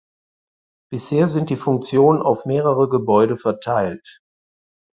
Bisher sind die Funktionen auf mehrere Gebäude verteilt.